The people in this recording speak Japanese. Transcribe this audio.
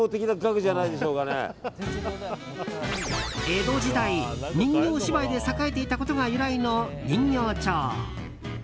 江戸時代人形芝居で盛えていたことが由来の人形町。